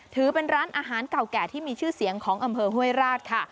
ถือเป็นร้านอาหารเก่าแก่ที่มีชื่อเสียงของอำเภอห้วยราชค่ะ